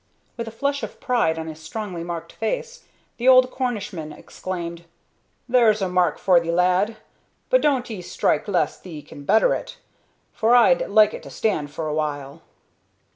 With a flush of pride on his strongly marked face, the old Cornishman exclaimed, "There's a mark for thee lad, but doan't 'ee strike 'less thee can better it, for I'd like it to stand for a while."